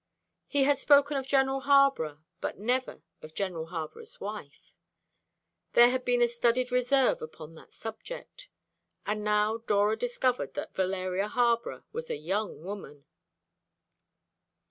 He had spoken of General Harborough, but never of General Harborough's wife. There had been a studied reserve upon that subject. And now Dora discovered that Valeria Harborough was a young woman.